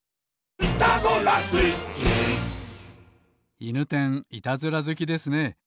いぬてんいたずらずきですね。